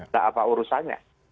tak apa urusannya